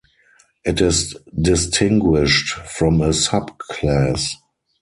It is distinguished from a subclass.